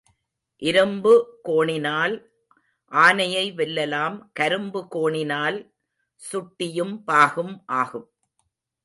இரும்பு கோணினால் ஆனையை வெல்லலாம் கரும்பு கோணினால் சுட்டியும் பாகும் ஆகும்.